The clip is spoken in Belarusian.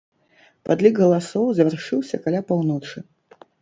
Падлік галасоў завяршыўся каля паўночы.